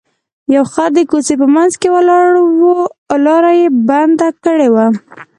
یو خر د کوڅې په منځ کې ولاړ و لاره یې بنده کړې وه.